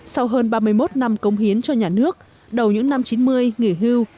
sau hơn ba mươi một năm công hiến cho nhà nước đầu những năm chín mươi nghỉ hưu